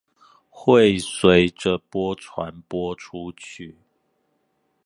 會隨著波傳播出去